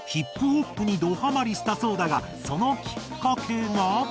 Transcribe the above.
ＨＩＰＨＯＰにドハマりしたそうだがそのきっかけが。